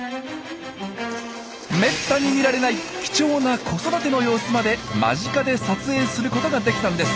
めったに見られない貴重な子育ての様子まで間近で撮影することができたんです。